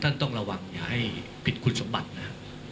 ต้องระวังอย่าให้ผิดคุณสมบัตินะ